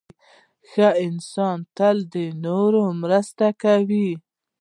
• ښه انسان تل د نورو مرسته کوي.